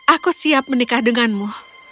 aku siap menikah denganmu